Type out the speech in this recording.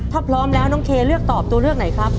ถ้าพร้อมแล้วน้องเคเลือกตอบตัวเลือกไหนครับ